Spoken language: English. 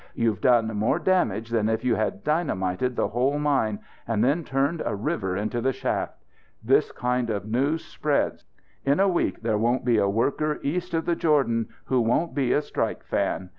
"You've done more damage than if you had dynamited the whole mine and then turned a river into the shaft. This kind of news spreads. In a week there won't be a worker east of the Jordan who won't be a strike fan.